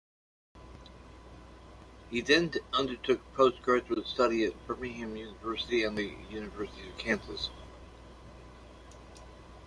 He then undertook postgraduate study at Birmingham University and the University of Kansas.